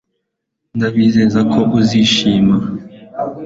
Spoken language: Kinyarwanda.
Ndabizeza ko uzishima